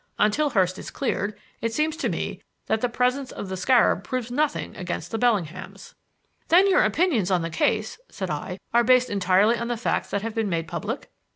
Until Hurst is cleared, it seems to me that the presence of the scarab proves nothing against the Bellinghams." "Then your opinions on the case," said I, "are based entirely on the facts that have been made public?"